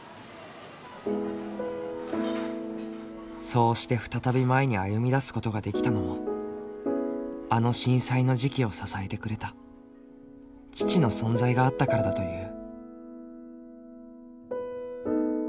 そうして再び前に歩み出すことができたのもあの震災の時期を支えてくれた父の存在があったからだという。